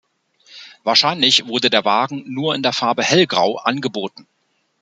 Wahrscheinlich wurde der Wagen nur in der Farbe Hellgrau angeboten.